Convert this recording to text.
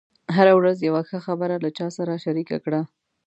هره ورځ یوه ښه خبره له چا سره شریکه کړه.